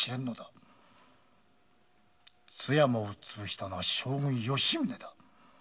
津山を潰したのは将軍・吉宗だ。